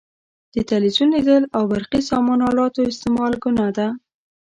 د تلویزیون لیدل او برقي سامان الاتو استعمال ګناه ده.